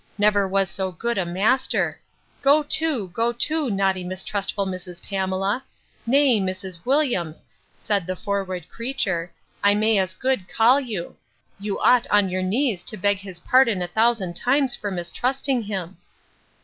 Never was so good a master!—Go to, go to, naughty, mistrustful Mrs. Pamela; nay, Mrs. Williams, said the forward creature, I may as good call you: you ought on your knees to beg his pardon a thousand times for mistrusting him.